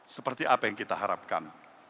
seperti apa yang kita harapkan